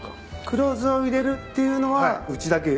黒酢を入れるっていうのはうちだけ。